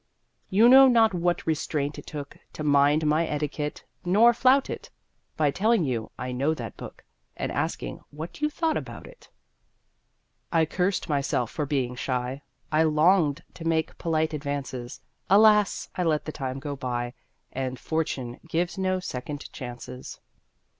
You know not what restraint it took To mind my etiquette, nor flout it By telling you I know that book, And asking what you thought about it. I cursed myself for being shy I longed to make polite advances; Alas! I let the time go by, And Fortune gives no second chances.